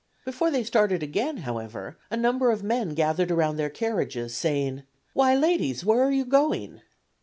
Before they started again, however, a number of men gathered around their carriages, saying: "Why, ladies, where are you going?"